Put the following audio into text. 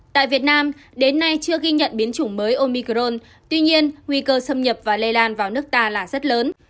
tại việt nam đến nay chưa ghi nhận biến chủng mới omicron tuy nhiên nguy cơ xâm nhập và lây lan vào nước ta là rất lớn